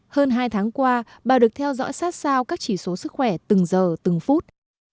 hơn hai tháng qua bà được theo dõi sát sao các chỉ số sức khỏe từng giờ từng phút